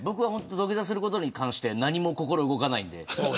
土下座することに関して何も心動かないので。